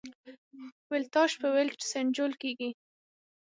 ولتاژ په ولټ سنجول کېږي.